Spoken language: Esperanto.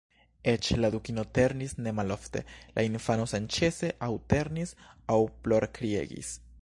Eĉ la Dukino ternis ne malofte; la infano senĉese aŭ ternis aŭ plorkriegis.